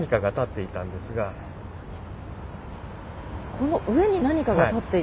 この上に何かが立っていた？